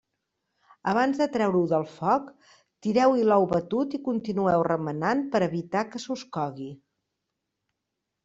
Abans de treure-ho del foc, tireu-hi l'ou batut i continueu remenant per a evitar que se us cogui.